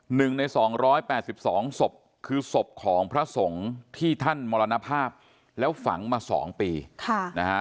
หนึ่งในสองร้อยแปดสิบสองศพคือศพของพระสงฆ์ที่ท่านมรณภาพแล้วฝังมาสองปีค่ะนะฮะ